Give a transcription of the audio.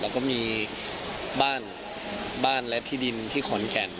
แล้วก็มีบ้านบ้านและที่ดินที่ขอนแก่น